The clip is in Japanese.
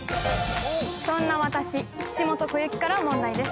「そんな私岸本小雪から問題です」